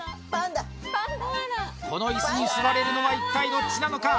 このイスに座れるのは一体どっちなのか？